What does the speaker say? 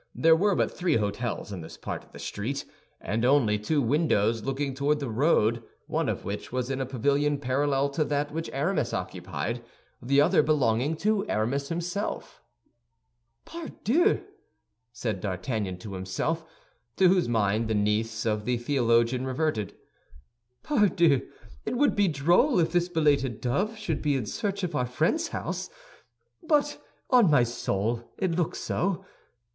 There were but three hôtels in this part of the street; and only two windows looking toward the road, one of which was in a pavilion parallel to that which Aramis occupied, the other belonging to Aramis himself. "Pardieu!" said D'Artagnan to himself, to whose mind the niece of the theologian reverted, "pardieu, it would be droll if this belated dove should be in search of our friend's house. But on my soul, it looks so.